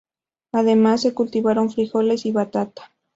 Además, se cultivaron frijoles y batata.